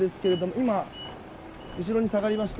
今、後ろに下がりました。